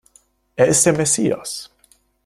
Es ist der Messias!